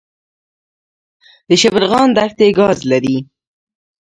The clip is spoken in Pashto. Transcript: د شبرغان دښتې ګاز لري